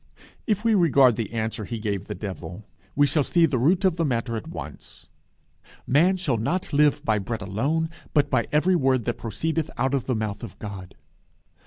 ] If we regard the answer he gave the devil, we shall see the root of the matter at once: "Man shall not live by bread alone, but by every word that proceedeth out of the mouth of God."